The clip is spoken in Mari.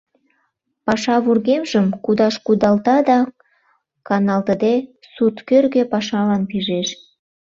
Паша вургемжым кудаш кудалта да, каналтыде, сурткӧргӧ пашалан пижеш.